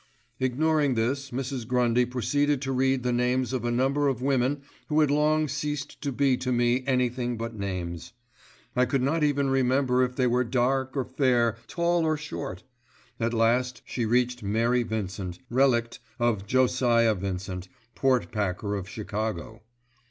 Ignoring this, Mrs. Grundy proceeded to read the names of a number of women who had long ceased to be to me anything but names. I could not even remember if they were dark or fair, tall or short. At last she reached Mary Vincent, relict of Josiah Vincent, pork packer of Chicago.